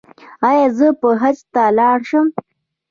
ایا زه به حج ته لاړ شم؟